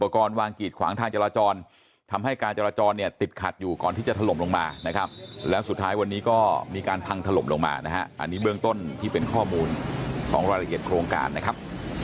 ของรายละเอียดโครงการนะครับ